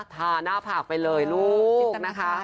ถาหน้าผากไปเลยลูก